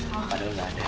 padahal nggak ada